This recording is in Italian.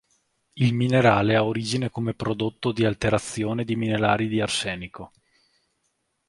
Il minerale ha origine come prodotto di alterazione di minerali di arsenico.